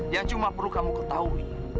yang cuma perlu kamu ketahui